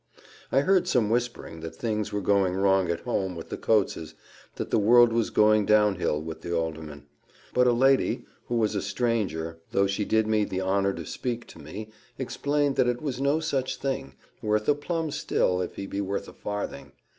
I heard some whispering that "things were going wrong at home with the Coates's that the world was going down hill with the alderman." But a lady, who was quite a stranger, though she did me the honour to speak to me, explained that it was "no such thing worth a plum still, if he be worth a farthing.